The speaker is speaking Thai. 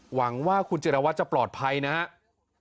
หวังว่าคุณจิรวัตรจะปลอดภัยนะครับ